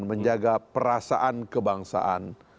menjaga perasaan kebangsaan